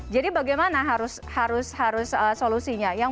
jadi bagaimana harus solusinya